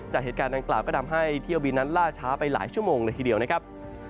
เหตุการณ์ดังกล่าวก็ทำให้เที่ยวบินนั้นล่าช้าไปหลายชั่วโมงเลยทีเดียวนะครับ